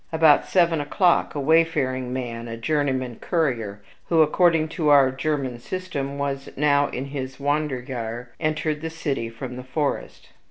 About seven o'clock, a wayfaring man, a journeyman currier, who, according to our German system, was now in his wanderjahre, entered the city from the forest.